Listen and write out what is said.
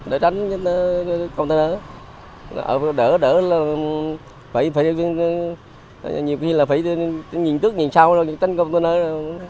đỡ tránh container đỡ là nhiều khi là phải nhìn trước nhìn sau tránh container